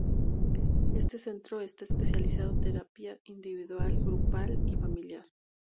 Este centro está especializado terapia individual, grupal y familiar.